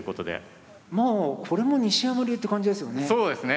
これも西山流って感じですよね。